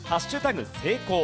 成功。